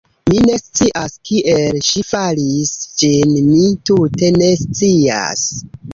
Mi ne scias kiel ŝi faris ĝin, mi tute ne scias!".